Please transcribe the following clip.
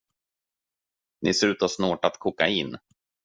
Ni ser ut att ha snortat kokain.